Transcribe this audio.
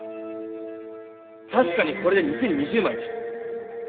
確かにこれで２０２０枚です。